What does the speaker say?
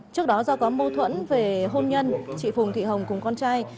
trước đó do có mâu thuẫn về hôn nhân chị phùng thị hồng cùng con trai